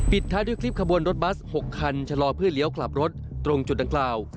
ท้ายด้วยคลิปขบวนรถบัส๖คันชะลอเพื่อเลี้ยวกลับรถตรงจุดดังกล่าว